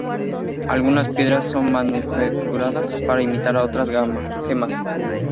Algunas piedras son manufacturadas para imitar a otras gemas.